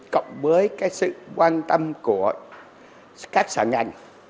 cộng với cái sự quan tâm của các sở ngành